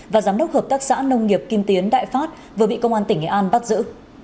và giám đốc hợp tác xã nông nghiệp kim tiến đại phát vừa bị công an tỉnh nghệ an bắt giữ